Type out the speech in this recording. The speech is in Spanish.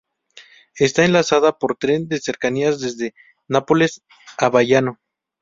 Está enlazada por tren de cercanías desde Nápoles a Baiano.